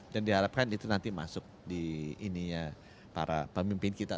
dan diharapkan itu nanti masuk di ininya para pemimpin kita